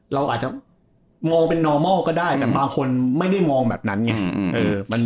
เราอาจจะมองเป็นนอร์มอลก็ได้แต่บางคนไม่ได้มองแบบนั้นไง